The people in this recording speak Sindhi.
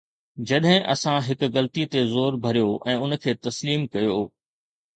جڏهن اسان هڪ غلطي تي زور ڀريو ۽ ان کي تسليم ڪيو.